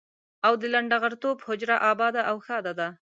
او د لنډه غرتوب حجره اباده او ښاده ده.